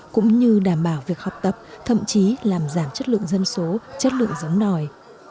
cũng như đảm bảo việc học tập thậm chí làm giảm chất lượng dân số chất lượng giống nòi